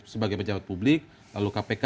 sebagai pejabat publik lalu kpk